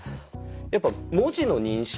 やっぱ文字の認識。